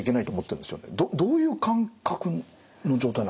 どういう感覚の状態なんですか？